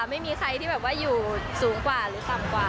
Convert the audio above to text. ไม่มีใครที่อยู่สูงกว่าหรือสำกว่าละค่ะ